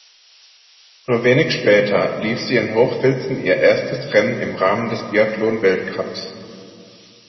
Nur wenig später lief sie in Hochfilzen ihr erstes Rennen im Rahmen des Biathlon-Weltcups.